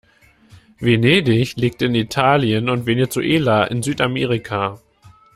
Venedig liegt in Italien und Venezuela in Südamerika.